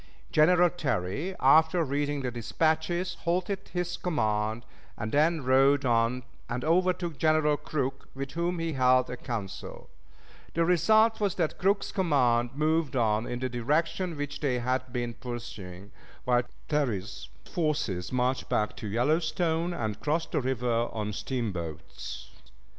General Terry, after reading the dispatches, halted his command, and then rode on and overtook General Crook, with whom he held a council; the result was that Crook's command moved on in the direction which they had been pursuing, while Terry's forces marched back to the Yellowstone and crossed the river on steamboats.